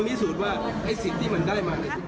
ผมพูดว่าไอ้สิทธิ์ที่มันได้มา